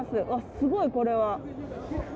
すごい、これは。